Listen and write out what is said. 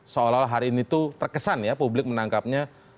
seolah olah hari ini tuh terkesan ya publik menangkapnya